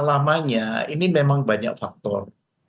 lamanya ini memang banyak faktor